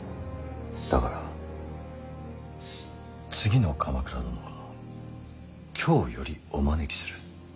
だから次の鎌倉殿は京よりお招きする。